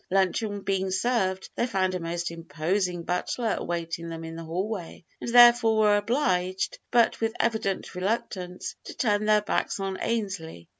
Luncheon being served, they found a most imposing butler awaiting them in the hallway, and therefore were obliged, but with evident reluctance, to turn their backs on Ainslee.